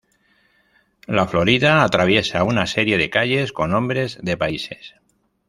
La Florida, atraviesa una serie de calles con nombres de países.